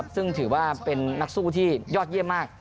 ซึ่งถือว่าเป็นนักสู้ที่ยอดเยี่ยมมาก